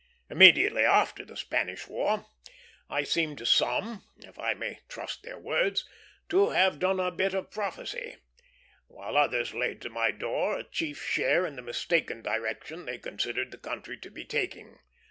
Immediately after the Spanish War I seemed to some, if I may trust their words, to have done a bit of prophecy; while others laid to my door a chief share in the mistaken direction they considered the country to be taking.